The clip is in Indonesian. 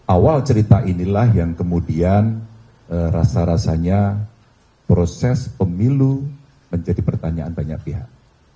awal cerita inilah yang kemudian rasa rasanya proses pemilu menjadi pertanyaan banyak pihak